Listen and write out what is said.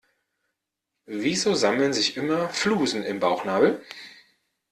Wieso sammeln sich immer Flusen im Bauchnabel?